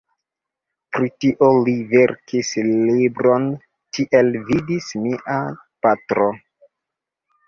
Pri tio li verkis libron "Tiel vidis mia patro".